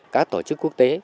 các tổ chức quốc tế